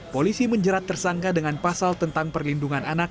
polisi menjerat tersangka dengan pasal tentang perlindungan anak